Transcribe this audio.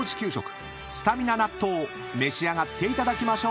［召し上がっていただきましょう］